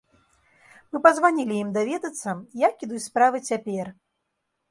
Мы пазванілі ім даведацца, як ідуць справы цяпер.